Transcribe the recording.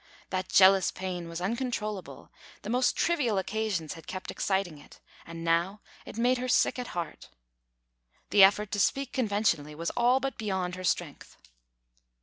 That jealous pain was uncontrollable; the most trivial occasions had kept exciting it, and now it made her sick at heart. The effort to speak conventionally was all but beyond her strength.